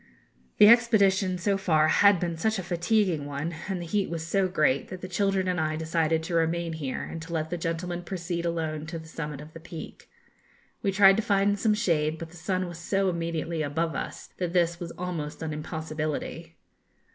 The expedition so far had been such a fatiguing one, and the heat was so great, that the children and I decided to remain here, and to let the gentlemen proceed alone to the summit of the Peak. We tried to find some shade, but the sun was so immediately above us that this was almost an impossibility.